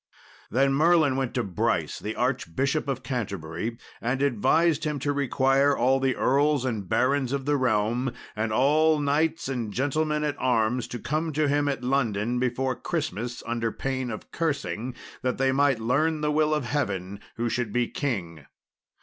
Then Merlin went to Brice, the Archbishop of Canterbury, and advised him to require all the earls and barons of the realm and all knights and gentlemen at arms to come to him at London, before Christmas, under pain of cursing, that they might learn the will of Heaven who should be king.